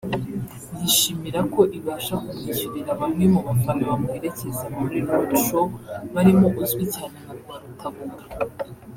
yishimira ko ibasha kumwishyurira bamwe mu bafana bamuherekeza muri Roadshow barimo uzwi cyane nka Rwarutabura